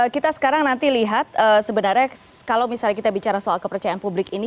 kita sekarang nanti lihat sebenarnya kalau misalnya kita bicara soal kepercayaan publik ini